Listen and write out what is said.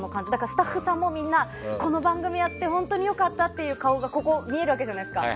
スタッフさんもみんな本当に良かったっていう顔が見えるわけじゃないですか。